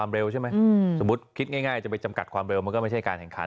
เร็วใช่ไหมสมมุติคิดง่ายจะไปจำกัดความเร็วมันก็ไม่ใช่การแข่งขัน